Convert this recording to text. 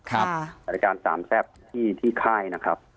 รายการสามแซ่บที่ค่ายนะครับ